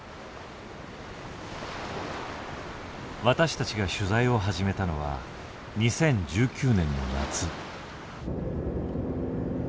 私たちが取材を始めたのは２０１９年の夏。